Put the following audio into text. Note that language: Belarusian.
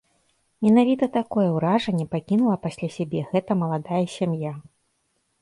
Менавіта такое ўражанне пакінула пасля сябе гэта маладая сям'я.